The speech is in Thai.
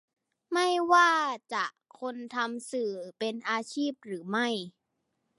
ไม่ว่าจะคนทำสื่อเป็นอาชีพหรือไม่